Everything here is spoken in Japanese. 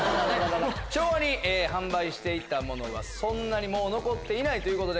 昭和に販売していたものはそんなに残ってないということで。